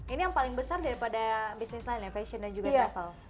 ini yang paling besar daripada bisnis lain ya fashion dan juga travel